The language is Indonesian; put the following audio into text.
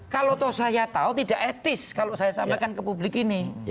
kalau saya tahu tidak etis kalau saya sampaikan ke publik ini